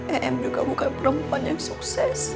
em juga bukan perempuan yang sukses